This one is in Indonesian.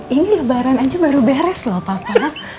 ini lebaran aja baru beres lho papa